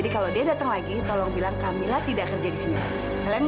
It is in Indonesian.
kalo dia gak ada disini